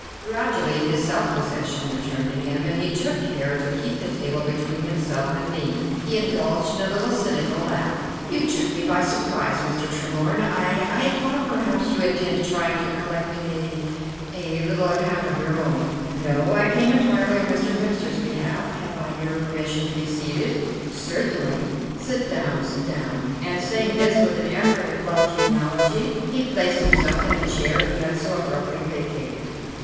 Gradually his self possession returned to him, but he took care to keep the table between himself and me. He indulged in a little cynical laugh. "You took me by surprise, Mr. Tremorne. I I thought perhaps you intended trying to collect a a little account of your own." "No, I came entirely on Mr. Hemster's behalf. Have I your permission to be seated?" "Certainly. Sit down, sit down," and, saying this with an effort at bluff geniality, he placed himself in the chair he had so abruptly vacated.